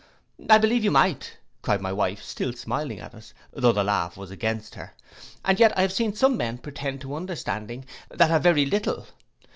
'—'I believe you might,' cried my wife, still smiling at us, though the laugh was against her; 'and yet I have seen some men pretend to understanding that have very little.